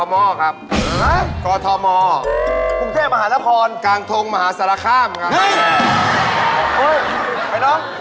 มามาเหตุงานครับผม